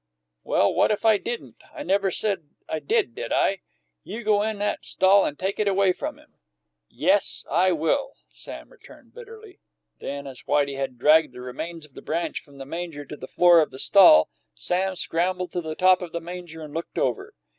"Well, what if I didn't? I never said I did, did I? You go on in that stall and take it away from him." "Yes, I will!" Sam returned bitterly. Then, as Whitey had dragged the remains of the branch from the manger to the floor of the stall, Sam scrambled to the top of the manger and looked over.